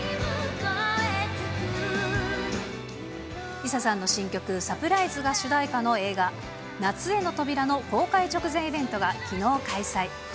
ＬｉＳＡさんの新曲、サプライズが主題歌の映画、夏への扉の公開直前イベントがきのう開催。